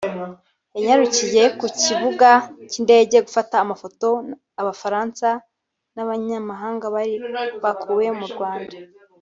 yanyarukiye ku kibuga cy’indege gufata amafoto abafaransa n’abanyamahanga bari bakuwe mu Rwanda